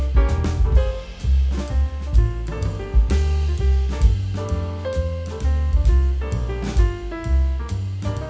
gak mau jadi kayak gini sih